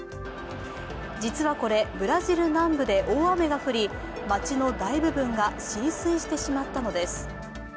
実はこれ、ブラジル南部で大雨が降り街の大部分が浸水してしまったのです。